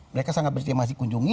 mereka sangat bersedia masih kunjungi